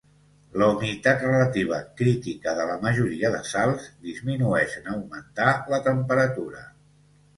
La humitat relativa crítica de la majoria de sals disminueix en augmentar la temperatura.